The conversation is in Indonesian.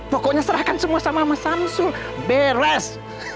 pokoknya serahkan semua sama mas hamsul beres